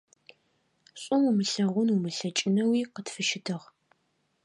ШӀу умылъэгъун умылъэкӀынэуи къытфыщытыгъ.